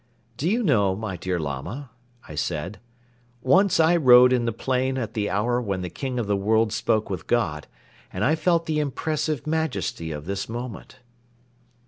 "Do you know, my dear Lama," I said, "once I rode in the plain at the hour when the King of the World spoke with God and I felt the impressive majesty of this moment."